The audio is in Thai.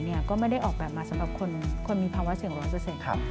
ก็ไม่ได้ออกแบบมาสำหรับคนมีภาวะเสี่ยร้อยเปอร์เซ็นต์